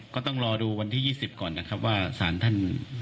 ก็ต้องรอดูวันที่๒๐ก่อนนะครับว่าสารท่าน